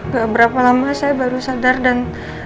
beberapa lama saya baru sadar dan